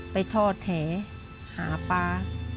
ไปทอดแหหาปลา